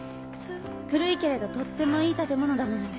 古いけれどとってもいい建物だもの。